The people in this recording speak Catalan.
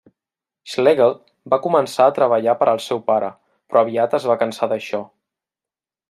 Schlegel va començar a treballar per al seu pare, però aviat es va cansar d'això.